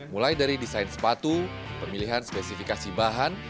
mulai dari desain sepatu pemilihan spesifikasi bahan